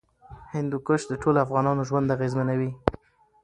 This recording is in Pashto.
هندوکش د ټولو افغانانو ژوند اغېزمنوي.